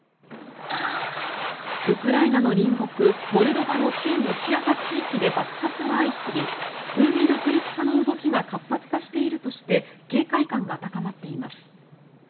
ウクライナの隣国モルドバの親ロシア派地域で爆発が相次ぎ分離独立派の動きが活発化しているとして警戒感が高まっています。